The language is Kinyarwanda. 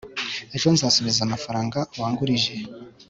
ejo, nzasubiza amafaranga wangurije